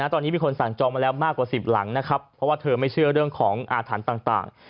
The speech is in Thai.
ตอนนี้มีคนสั่งจองมาแล้วมากกว่า๑๐หลังนะครับเพราะว่าเธอไม่เชื่อเรื่องของอาถรรพ์ต่าง